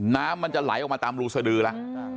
น้ำมันจะไหลออกมาตามรูสดือแล้ว